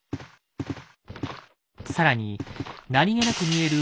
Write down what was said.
更に何気なく見える